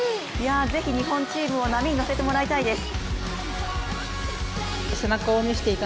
是非、日本チームを波に乗せてもらいたいです。